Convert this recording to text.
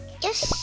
よし。